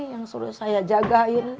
yang suruh saya jagain